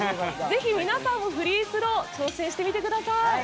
ぜひ皆さんも、フリースロー挑戦してみてください。